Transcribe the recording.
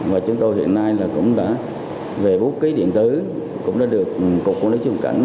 và chúng tôi hiện nay cũng đã về bút ký điện tử cũng đã được cục quản lý xuất nhập cảnh